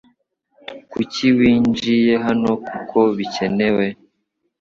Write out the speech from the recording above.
Kuki winjiye hano kuko bikenewe